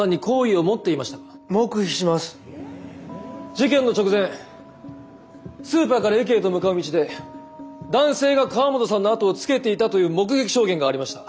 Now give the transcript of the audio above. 事件の直前スーパーから駅へと向かう道で男性が河本さんの後をつけていたという目撃証言がありました。